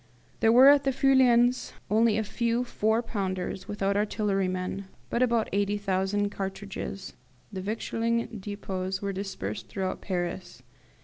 There were at the Feuillans only a few four pounders without artillerymen, and but 80,000 cartridges. The victualling depots were dispersed throughout Paris.